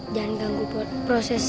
jangan ganggu proses